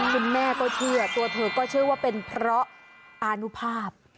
คุณแม่ก็เชื่อตัวเธอก็เชื่อว่าเป็นเพราะอานุภาพ